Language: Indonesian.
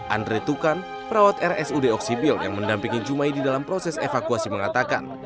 andre tukan perawat rsud oksibil yang mendampingi ⁇ maidi dalam proses evakuasi mengatakan